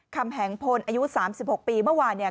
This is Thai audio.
คำแหงพลอายุสามสิบหกปีเมื่อวานเนี้ย